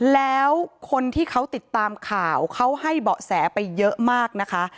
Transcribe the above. แล้วคนที่เขาติดตามข่าวเขาให้เบาะแสไปเยอะมากนะคะ